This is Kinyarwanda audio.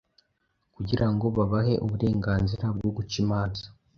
kugira ngo babahe uburenganzira bwo guca imanza